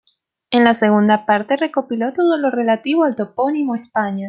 En la segunda parte recopiló todo lo relativo al topónimo "España".